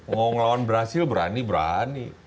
mau ngelawan brazil berani berani